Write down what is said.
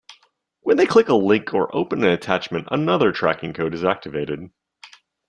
When they click a link or open an attachment, another tracking code is activated.